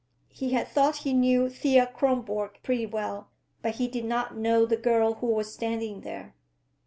He had thought he knew Thea Kronborg pretty well, but he did not know the girl who was standing there.